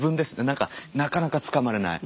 何かなかなかつかまれない。